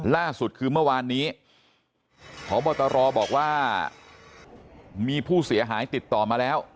ล่าสุดคือเมื่อวานนี้พบตรบอกว่ามีผู้เสียหายติดต่อมาแล้ว